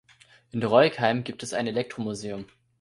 In Roigheim gibt es ein Elektro-Museum.